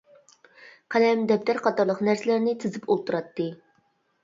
قەلەم، دەپتەر قاتارلىق نەرسىلەرنى تىزىپ ئولتۇراتتى.